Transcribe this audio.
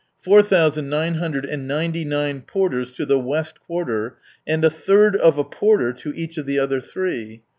Four thousand nine hundred and ninety nine porters to the West quarter, and a third of a porter to each of the other three.